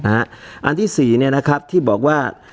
อันที่๔ที่บอกว่า